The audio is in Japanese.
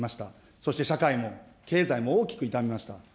そして社会も経済も大きくいたみました。